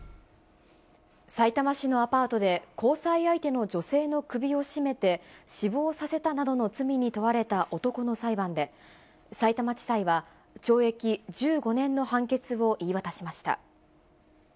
さいたま市のアパートで、交際相手の女性の首を絞めて、死亡させたなどの罪に問われた男の裁判で、さいたま地裁は懲役１５年の判決を言い渡しました。